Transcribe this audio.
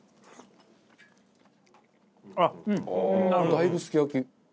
だいぶすき焼き。